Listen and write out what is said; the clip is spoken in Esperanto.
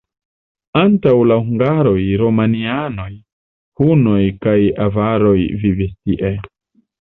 Antaŭ la hungaroj romianoj, hunoj kaj avaroj vivis tie.